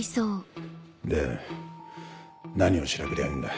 で何を調べりゃいいんだ？